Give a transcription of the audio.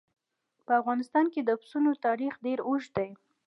په افغانستان کې د پسونو تاریخ ډېر اوږد دی.